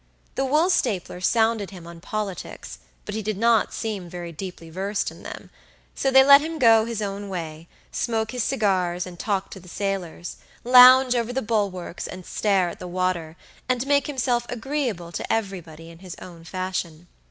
The woolstapler sounded him on politics, but he did not seem very deeply versed in them; so they let him go his own way, smoke his cigars and talk to the sailors, lounge over the bulwarks and stare at the water, and make himself agreeable to everybody in his own fashion.